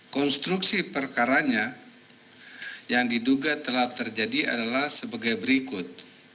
konstruksi perkaranya yang diduga telah terjadi adalah sebagai berikut